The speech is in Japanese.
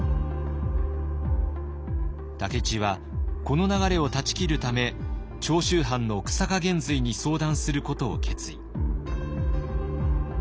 武市はこの流れを断ち切るため長州藩の久坂玄瑞に相談することを決意。